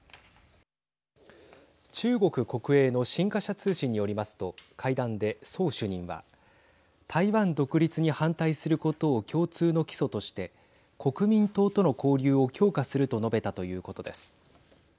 中国国営の新華社通信によりますと会談で宋主任は台湾独立に反対することを共通の基礎として国民党との交流を強化すると述べたということです。